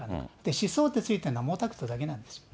思想って付いてるのは毛沢東だけなんですよ。